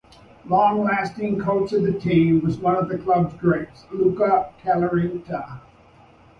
Long-lasting coach of the team was one of clubs greats, Luka Kaliterna.